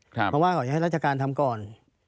เพราะว่าเขาจะให้ราชการทำก่อน